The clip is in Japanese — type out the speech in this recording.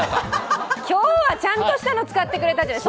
今日はちゃんとしたの使ってくれたじゃない。